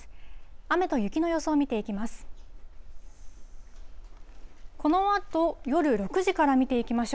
雨と雪の予想を見ていきます。